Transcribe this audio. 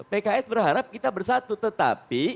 pks berharap kita bersatu tetapi